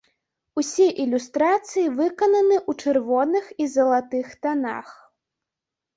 Усе ілюстрацыі выкананы ў чырвоных і залатых танах.